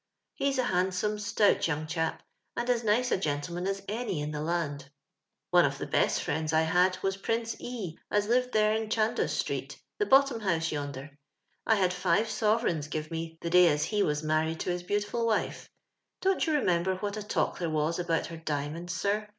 lie's a handsome, stout yi .un>: chap, and as nice a goutleiiiJin as anv in tie land. " One of tho best frien«ls I had was rrince E , as li\ed tluive in Chandos strcet, tUc' bottom house yonder. I had live soverei^n^ t:ivo me the day as he Wiis mju'ried t"» his beautiful wife. Don't you reniembor what a talk there was about her diamonds, sir?